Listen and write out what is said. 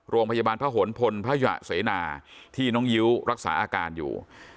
โรงพยาบาลพระหลพลพยะเสนาที่น้องยิ้วรักษาอาการอยู่